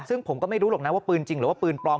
ซึ่งผมก็ไม่รู้หรอกนะว่าปืนจริงหรือว่าปืนปลอม